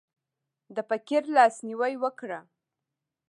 د فقیر لاس نیوی وکړه.